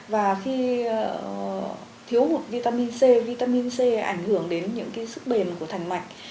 và khi thiếu hụt vitamin c vitamin c ảnh hưởng đến những sức bền của thành mạch